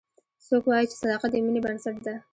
څوک وایي چې صداقت د مینې بنسټ ده